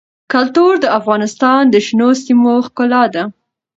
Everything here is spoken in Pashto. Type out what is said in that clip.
کلتور د افغانستان د شنو سیمو ښکلا ده.